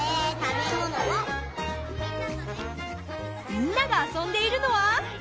みんなが遊んでいるのは。